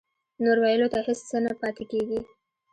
نور ویلو ته هېڅ څه نه پاتې کېږي